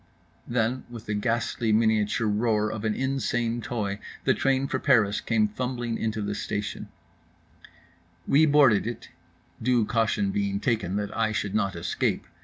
Then with the ghastly miniature roar of an insane toy the train for Paris came fumbling into the station…. We boarded it, due caution being taken that I should not escape.